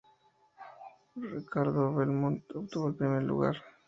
Ricardo Belmont obtuvo el primer lugar.